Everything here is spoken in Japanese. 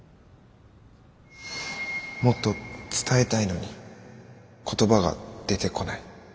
もっと伝えたいのに言葉が出てこない。